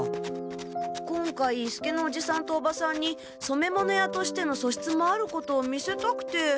今回伊助のおじさんとおばさんにそめ物屋としてのそしつもあることを見せたくて。